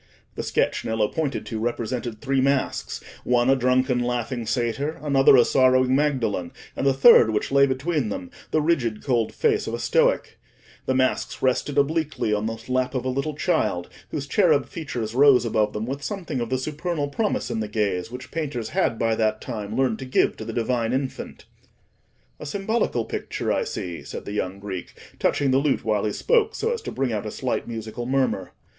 The sketch Nello pointed to represented three masks—one a drunken laughing Satyr, another a sorrowing Magdalen, and the third, which lay between them, the rigid, cold face of a Stoic: the masks rested obliquely on the lap of a little child, whose cherub features rose above them with something of the supernal promise in the gaze which painters had by that time learned to give to the Divine Infant. "A symbolical picture, I see," said the young Greek, touching the lute while he spoke, so as to bring out a slight musical murmur.